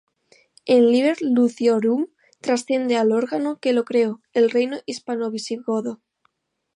El "Liber Iudiciorum" trasciende al órgano que lo creó, el reino hispano-visigodo.